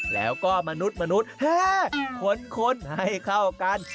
แล้วก็มนุษย์คนให้เข้ากัน